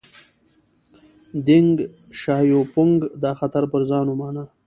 دینګ شیاپونګ دا خطر پر ځان ومانه.